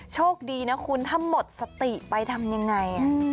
โชคดีนะคุณถ้าหมดสติไปทำยังไง